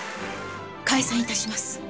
解散致します。